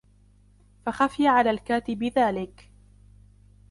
فَخَفِيَ عَلَى الْكَاتِبِ ذَلِكَ